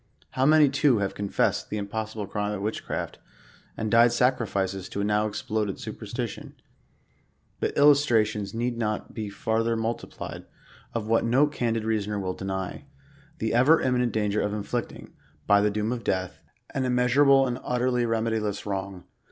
How many too have confessed the im possible crime of witchcraft, and died sacrifices to a now ex ploded superstition ! But illustrations need not be fartfier multiplied, of what no candid reasoner will deny, — the ever im niinent danger of inflicting, by the doom of death, an immeas 115 urable and utterly retnediless wrong.